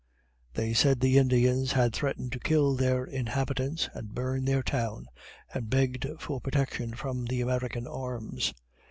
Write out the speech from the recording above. They said the Indians had threatened to kill their inhabitants and burn their town, and begged for protection from the American arms.